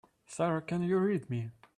Sara can you read me?